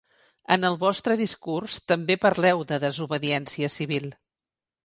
En el vostre discurs també parleu de desobediència civil.